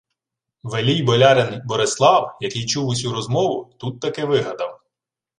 Велій болярин Борислав, який чув усю розмову, тут-таки вигадав: